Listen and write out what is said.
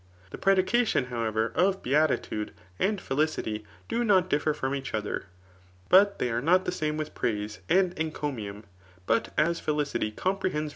Th& prediw cation, however, of beatitude and felicity, do not diffisr iforsi each ether, batchey are sot the same with pRadse )md encomium ; but as felicity apprehends